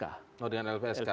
oh dengan lpsk